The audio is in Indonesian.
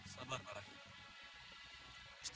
sabar pak rakyat